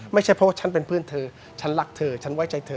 ไม่ใช่เพราะว่าฉันเป็นเพื่อนเธอฉันรักเธอฉันไว้ใจเธอ